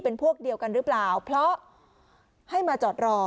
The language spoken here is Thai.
เป็นพวกเดียวกันหรือเปล่าเพราะให้มาจอดรอ